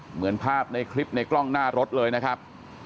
เหมือนภาพในคลิปในกล้องหน้ารถเลยนะครับ